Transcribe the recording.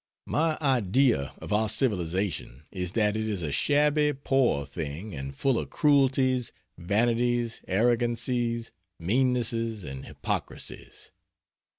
My idea of our civilization is that it is a shabby poor thing and full of cruelties, vanities, arrogancies, meannesses, and hypocrisies.